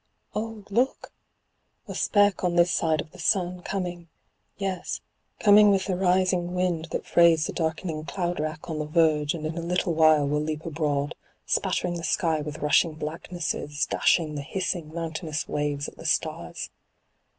Oh, look! a speck on this side of the sun, coming— yes, coming with the rising wind that frays the darkening cloud wrack on the verge and in a little while will leap abroad, spattering the sky with rushing blacknesses, dashing the hissing mountainous waves at the stars.